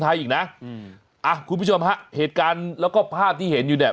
อีกนะอืมอ่ะคุณผู้ชมฮะเหตุการณ์แล้วก็ภาพที่เห็นอยู่เนี่ย